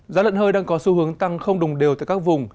giá lợn hơi đang có xu hướng tăng không đồng đều tại các vùng